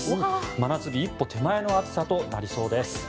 真夏日一歩手前の暑さとなりそうです。